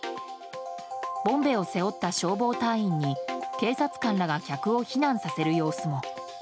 ボンベを背負った消防隊員に警察官らが客を避難させる様子も。